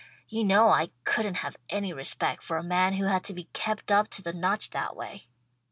You know I couldn't have any respect for a man who had to be kept up to the notch that way.